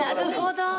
なるほど。